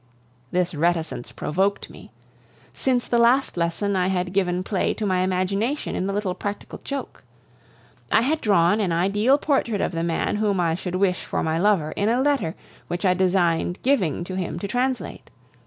This reticence provoked me. Since the last lesson I had given play to my imagination in a little practical joke. I had drawn an ideal portrait of the man whom I should wish for my lover in a letter which I designed giving to him to translate.